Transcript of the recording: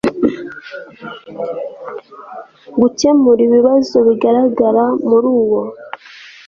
gukemura ibibazo bigaragara muri uwo